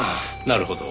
なるほど。